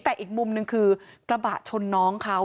แต่อีกมุมหนึ่งคือกระบะชนน้องเขา